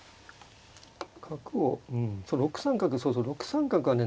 角をそう６三角そうそう６三角はね